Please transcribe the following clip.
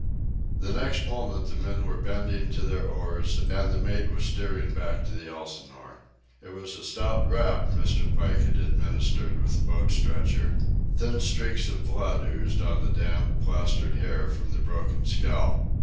The next moment the men were bending to their oars and the mate was steering back to the Elsinore. It was a stout rap Mr. Pike had administered with the boat stretcher. Thin streaks of blood oozed on the damp, plastered hair from the broken scalp.